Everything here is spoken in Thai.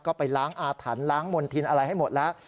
ก็ไปล้างอาถรรพ์ล้างมณฑินอะไรให้หมดแล้ว